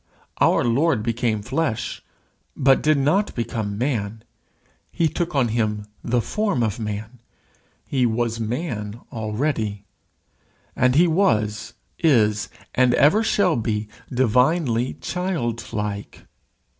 Our Lord became flesh, but did not become man. He took on him the form of man: he was man already. And he was, is, and ever shall be divinely childlike.